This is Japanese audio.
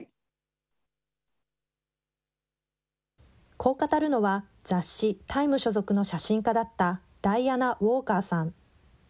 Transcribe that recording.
こう語るのは、雑誌、タイム所属の写真家だったダイアナ・ウォーカーさん。